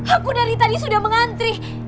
aku dari tadi sudah mengantri